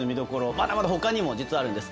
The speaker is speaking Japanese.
まだまだほかにも実はあるんです。